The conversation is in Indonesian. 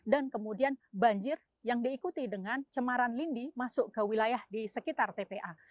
dan kemudian banjir yang diikuti dengan cemaran lindi masuk ke wilayah di sekitar tpa